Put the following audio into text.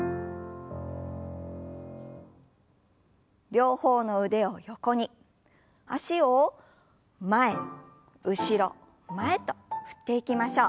両方の腕を横に脚を前後ろ前と振っていきましょう。